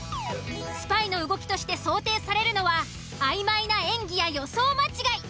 スパイの動きとして想定されるのは曖昧な演技や予想間違い。